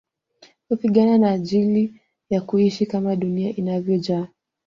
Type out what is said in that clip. Kupigana kwa ajili ya kuishi kama dunia inavyojaa